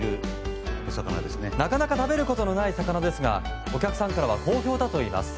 なかなか食べることのない魚ですがお客さんからは好評だといいます。